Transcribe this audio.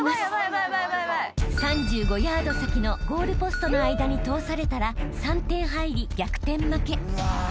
［３５ヤード先のゴールポストの間に通されたら３点入り逆転負け］